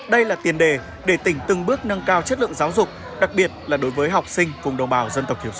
đây là tiền đề để tỉnh từng bước nâng cao chất lượng giáo dục đặc biệt là đối với học sinh vùng đồng bào dân tộc thiểu số